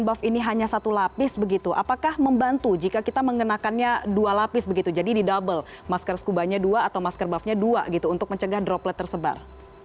masker scuba ini hanya satu lapis begitu apakah membantu jika kita menggunakannya dua lapis begitu jadi didouble masker scuba nya dua atau masker buff nya dua gitu untuk mencegah droplet tersebar